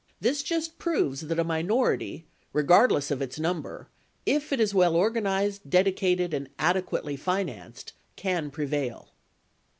This just proves that a minority, regardless of its number, if it is well organized, dedicated, and adequately financed, can prevail.